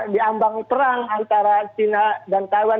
diambang perang antara china dan taiwan